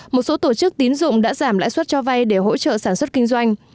một số tổ chức tín dụng đã giảm lãi suất cho vay để hỗ trợ sản xuất kinh doanh